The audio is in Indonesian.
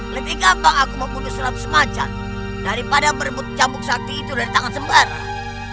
lebih gampang aku membunuh seratus macan daripada merebut camuk sakti itu dari tangan sembara